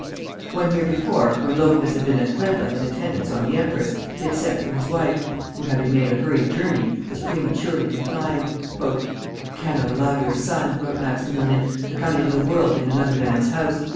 One year before, when Lopez had been at Puebla in attendance on the empress, he had sent for his wife, who, having made a hurried journey, was prematurely confined. "I cannot allow your son," wrote Maximilian, "to come into the world in another man's house.